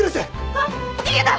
あっ逃げた！